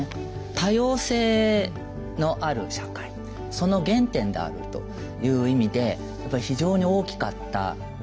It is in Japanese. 多様性のある社会その原点であるという意味で非常に大きかった。